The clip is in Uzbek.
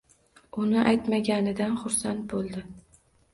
Uni aytmaganidan xursand bo‘ldi.